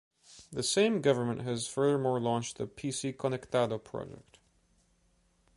The same government has furthermore launched the “PC Conectado” project.